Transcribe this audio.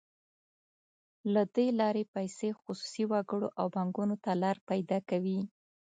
له دې لارې پیسې خصوصي وګړو او بانکونو ته لار پیدا کوي.